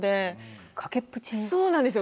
そうなんですよ。